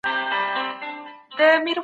ايا انلاين زده کړه ثبت سوو موادو ته ګټه لري؟